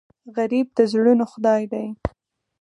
غریب د زړونو خدای دی